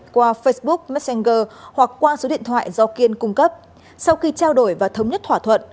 qua facebook messenger hoặc qua số điện thoại do kiên cung cấp sau khi trao đổi và thống nhất thỏa thuận